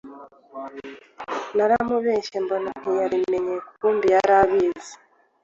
Naramubeshye mbona ntiyabimenye kumbe yarabizi